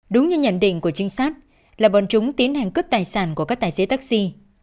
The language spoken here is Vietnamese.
đúng như nhận định của trinh sát là bọn chúng tiến hành cướp tài sản của các tài xế taxi